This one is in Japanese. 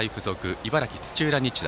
茨城の土浦日大。